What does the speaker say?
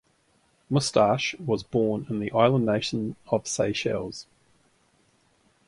Moustache was born in the island nation of Seychelles.